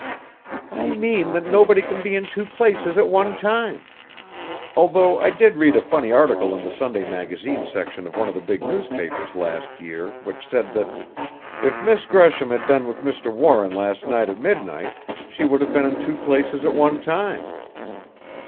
"I mean that nobody can be in two places at one time. Although I did read a funny article in the Sunday magazine section of one of the big newspapers, last year, which said that " "If Miss Gresham had been with Mr. Warren last night at midnight she would have been in two places at one time!"